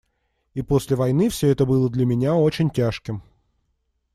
И после войны все это было для меня очень тяжким.